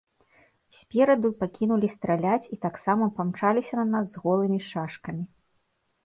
Спераду пакінулі страляць і таксама памчаліся на нас з голымі шашкамі.